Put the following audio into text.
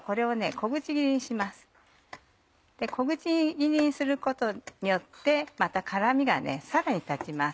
小口切りにすることによってまた辛みがさらに立ちます。